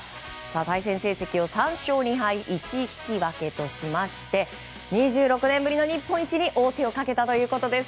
対戦成績を３勝２敗１引き分けとしまして２６年ぶりの日本一に王手をかけたということです。